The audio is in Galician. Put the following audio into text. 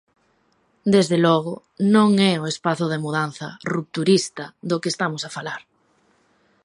Desde logo, non é o espazo de mudanza, rupturista, do que estamos a falar.